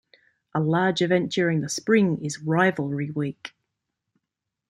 A large event during the spring is "Rivalry Week".